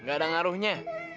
gak ada ngaruhnya